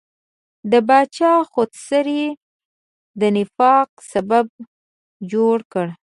د پاچا خودسرۍ د نفاق سبب جوړ کړ.